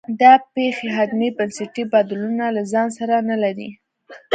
دا پېښې حتمي بنسټي بدلونونه له ځان سره نه لري.